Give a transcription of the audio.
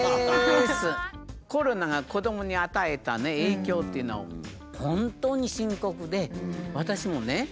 コロナが子どもに与えた影響っていうのは本当に深刻で私もね